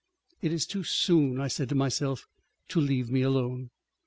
"It is too soon," I said to myself, "to leave me alone."